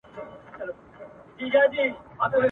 اقتصاد د هېواد د ملا تیر بلل کيږي.